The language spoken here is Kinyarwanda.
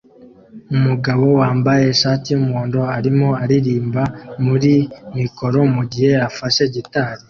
Umugabo wambaye ishati yumuhondo arimo aririmba muri mikoro mugihe afashe gitari